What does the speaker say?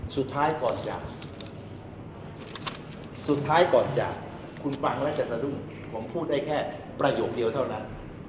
สุดท้ายก่อนจากคุณปางและกษรุงผมพูดได้แค่ประโยคเดียวเท่านั้น